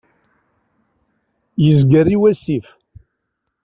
Yezger i wasif.